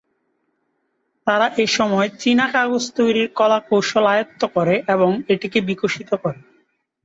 তারা এসময় চীনা কাগজ তৈরির কলাকৌশল আয়ত্ত করে এবং এটিকে বিকশিত করে।